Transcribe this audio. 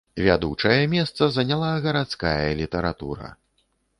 Вядучае месца заняла гарадская літаратура.